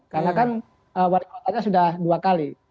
karena kan wali kotanya sudah dua kali